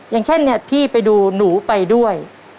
อย่างเช่นเนี่ยพี่ไปดูหนูไปด้วย